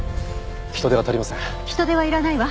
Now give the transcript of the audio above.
人手はいらないわ。